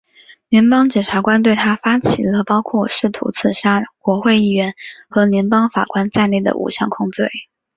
联邦检察官对他发起了包括试图刺杀国会议员和联邦法官在内的五项控罪。